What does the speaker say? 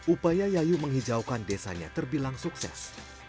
upaya yayu menghijaukan desanya terbilang sukses